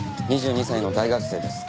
２２歳の大学生です。